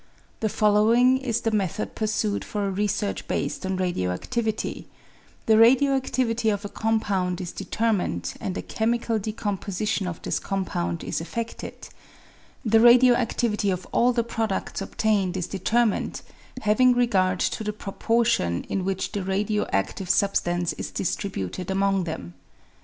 The following is the method pursued for a research based on radio activity :— The radio adtivity of a compound is determined, and a chemical decom position of this compound is effeded ; the radio adivity of all the produds obtained is determined, having regard to the proportion in which the radio adive substance is dis tributed among them.